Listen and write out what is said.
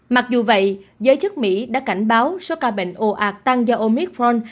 mặc dù vậy giới chức mỹ đã cảnh báo số ca bệnh ồ ạt tăng do omithron